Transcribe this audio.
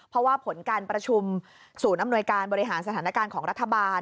เพราะว่าผลการประชุมศูนย์อำนวยการบริหารสถานการณ์ของรัฐบาล